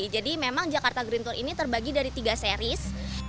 jadi memang jakarta green tour ini terbagi dari tiga series